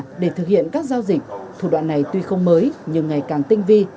và để thực hiện các giao dịch thủ đoạn này tuy không mới nhưng ngày càng tinh vi